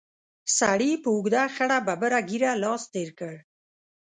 سړي په اوږده خړه ببره ږېره لاس تېر کړ.